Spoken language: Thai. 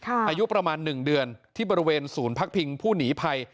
อายุประมาณ๑เดือนที่บริเวณศูนย์พักพิงผู้หนีภัย